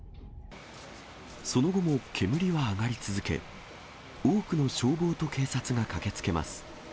その後も、煙は上がり続け、多くの消防と警察が駆けつけます。